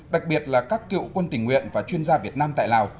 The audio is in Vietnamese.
đặc biệt là các cựu quân tình nguyện và chuyên gia việt nam tại lào